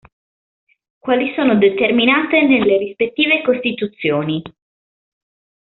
Quali sono determinate nelle rispettive costituzioni.